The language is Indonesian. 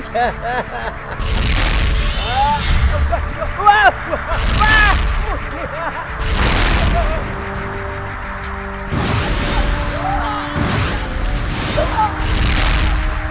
kau ingin tahu kehebatan cambuk segini